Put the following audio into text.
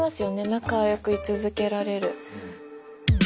仲良くい続けられる。